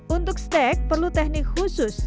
untuk stek perlu teknik khusus